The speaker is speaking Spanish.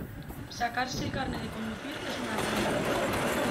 Sacarse el carné de conducir es una ruina.